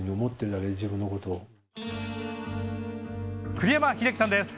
栗山英樹さんです。